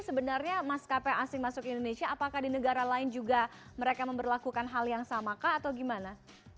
karena maskapai asing masuk ke indonesia apakah di negara lain juga mereka memperlakukan hal yang sama atau gimana